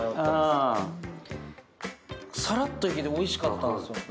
さらっといけておいしかったんですよ。